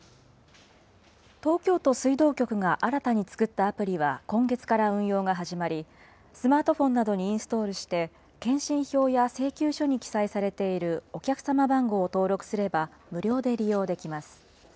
東京都水道局が新たに作ったアプリは、今月から運用が始まり、スマートフォンなどにインストールして、検針票や請求書に記載されているお客様番号を登録すれば、無料で利用できます。